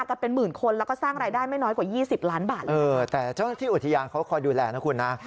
แต่เจ้าหน้าที่อุทิยางเขาก็คอยดูแลนะคุณนะ